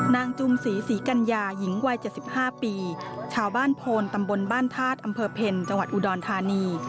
จุมศรีศรีกัญญาหญิงวัย๗๕ปีชาวบ้านโพนตำบลบ้านธาตุอำเภอเพ็ญจังหวัดอุดรธานี